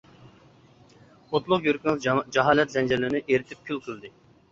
ئوتلۇق يۈرىكىڭىز جاھالەت زەنجىرلىرىنى ئېرىتىپ كۈل قىلدى.